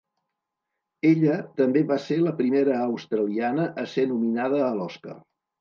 Ella també va ser la primera australiana a ser nominada a l'Oscar.